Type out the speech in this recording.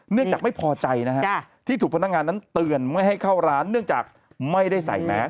จากไม่พอใจนะฮะที่ถูกพนักงานนั้นเตือนไม่ให้เข้าร้านเนื่องจากไม่ได้ใส่แมส